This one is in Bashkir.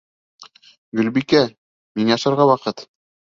Гөлбикә, миңә ашарға ваҡыт!